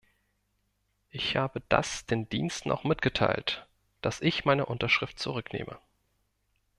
Ich habe das den Diensten auch mitgeteilt, dass ich meine Unterschrift zurücknehme.